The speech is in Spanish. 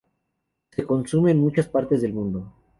Se consume en muchas partes del mundo.